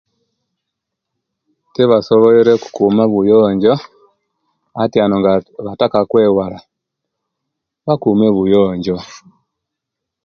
Tibasobwoire okukuma obuyonjo atiyanu nga bataka okuewala bakume obuyonjo